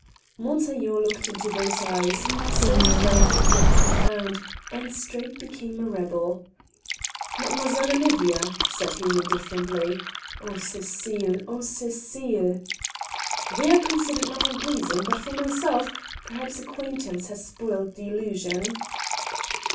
Montaiglon looked into those eyes, so frank and yet profound, and straight became a rebel. "Mademoiselle Olivia," said he, indifferently (oh, Cecile! oh, Cecile!), "they are considered not unpleasing; but for myself, perhaps acquaintance has spoiled the illusion."